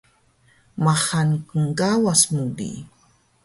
Maxal knkawas mu di